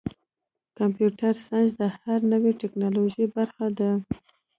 کمپیوټر ساینس د هرې نوې ټکنالوژۍ برخه ده.